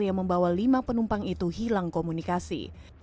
yang membawa lima penumpang itu hilang komunikasi